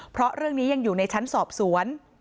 เพราะเรื่องนี้ยังอยู่ในชั้นสอบสวน